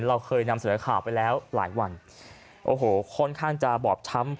ดูสภาพน้องสิฮะ